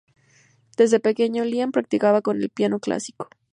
Desde pequeño, Liam practicaba con el piano clásico.